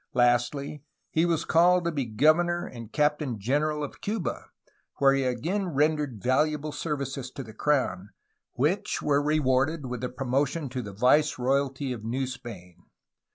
Lastlv. he was called to 270 A HISTORY OF CALIFORNIA be governor and captain general of Cuba, where he again ren" dered valuable services to the crown, which were rewarded with the promotion to the viceroyalty of New Spain.